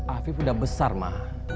afif udah besar ma